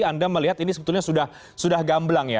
anda melihat ini sebetulnya sudah gamblang ya